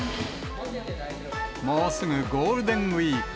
もうすぐゴールデンウィーク。